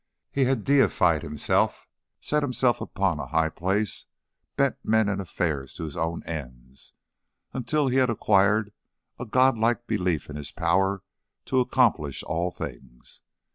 He had deified himself, set himself upon a high place, bent men and affairs to his own ends, until he had acquired a godlike belief in his power to accomplish all things.